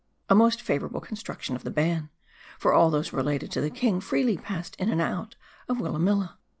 A most favorable construction of the ban ; for all those related to the king, freely passed in and out of Willamilla.